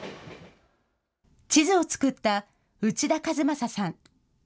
地図を作った内田一正さん。